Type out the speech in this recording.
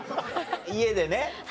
家でね